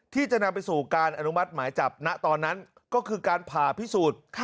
ที่จะนำไปสู่การอนุมัติหมายจับณตอนนั้นก็คือการผ่าพิสูจน์